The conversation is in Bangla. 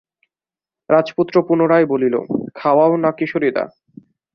রাজপুত্র পুনবায় বলিল, খাওয়াও না কিশোরীদা?